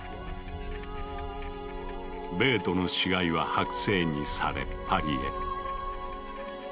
ベートの死骸は剥製にされパリへ。